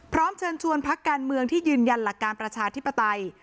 เชิญชวนพักการเมืองที่ยืนยันหลักการประชาธิปไตย